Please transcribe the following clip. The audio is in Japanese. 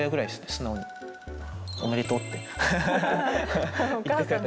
素直におめでとうって言ってくれて。